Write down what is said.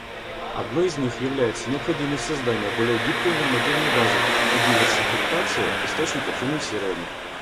Одной из них является необходимость создания более гибкой нормативной базы и диверсификации источников финансирования.